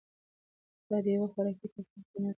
دا د یوې خوراکي ټکلې قیمت و چې ده ورته اړتیا لرله.